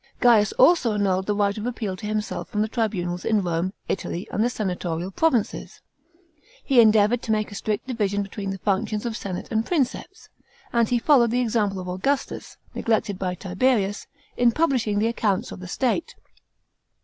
Gaius also annulled the right of appeal to himself from the tribunals in Rome, Italy, and the senatorial provinces. He endeavoured to make a strict division between the functions of senate and Princeps ; and he followed the example of Augustus, neglected by Tiberius, in publishing the accounts of the state.